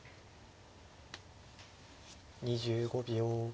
２５秒。